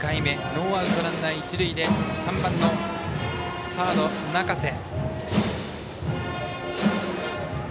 ノーアウトランナー、一塁で３番のサード、中瀬。